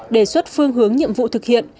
đề xuất phương hướng nhiệm vụ thực hiện